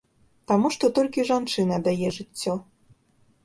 Таму што толькі жанчына дае жыццё.